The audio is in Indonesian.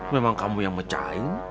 memang kamu yang mecahin